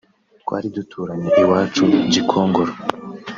twari duturanye iwacu Gikongoro